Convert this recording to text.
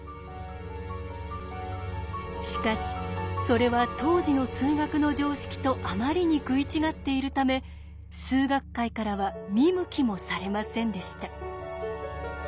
しかしそれは当時の数学の常識とあまりに食い違っているため数学界からは見向きもされませんでした。